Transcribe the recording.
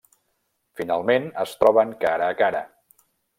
Finalment es troben cara a cara.